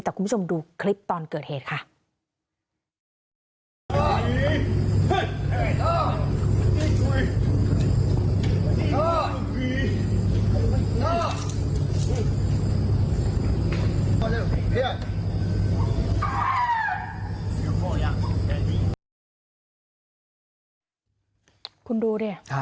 แต่คุณผู้ชมดูคลิปตอนเกิดเหตุค่ะ